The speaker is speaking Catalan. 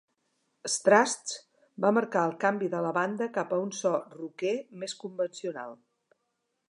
"Strast" va marcar el canvi de la banda cap a un so roquer més convencional.